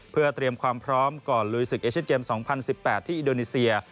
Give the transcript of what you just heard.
เพื่อเตรียมความพร้อมก่อนลุยศึกเอเชียนเกม๒๐๑๘ที่อินโดนีเซีย